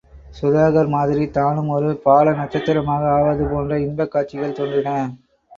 சுதாகர் மாதிரி தானும் ஒரு பால நட்சத்திரமாக ஆவது போன்ற இன்பக் காட்சிகள் தோன்றின.